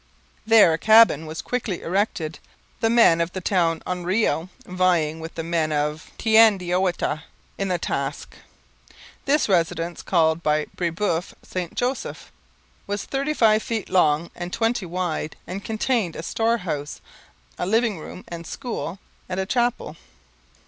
There a cabin was quickly erected, the men of the town of Oenrio vying with the men of Teandeouiata in the task. This residence, called by Brebeuf St Joseph, was thirty five feet long and twenty wide and contained a storehouse, a living room and school, and a chapel.